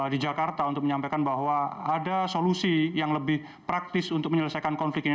di jakarta untuk menyampaikan bahwa ada solusi yang lebih praktis untuk menyelesaikan konflik ini